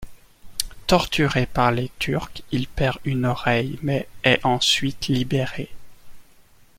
Torturé par les Turcs, il perd une oreille mais est ensuite libéré.